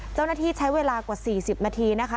เจ้าหน้าที่ใช้เวลากว่า๔๐นาทีนะคะ